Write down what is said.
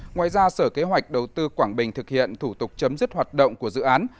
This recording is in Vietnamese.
ngoài ra sở kế hoạch đầu tư quảng bình thực hiện thủ tục chấm dứt hoạt động của dự án